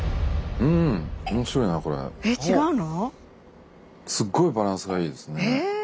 えっ違うの？